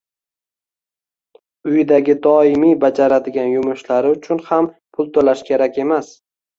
Uydagi doimiy bajaradigan yumushlari uchun ham pul to‘lash kerak emas: